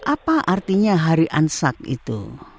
apa artinya hari ansak itu